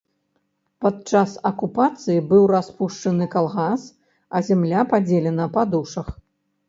Падчас акупацыі быў распушчаны калгас а зямля падзелена па душах.